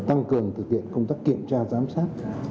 tăng cường thực hiện công tác kiểm tra giám sát